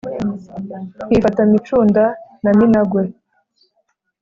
nkifata micunda na minagwe